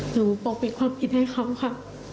ปกปิดความผิดให้เขาค่ะ